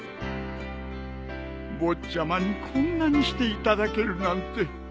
坊ちゃまにこんなにしていただけるなんて。